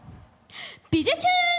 「びじゅチューン！」